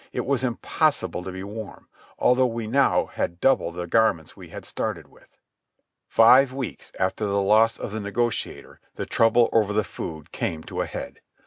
It was impossible to be warm, although we now had double the garments we had started with. Five weeks after the loss of the Negociator the trouble over the food came to a head.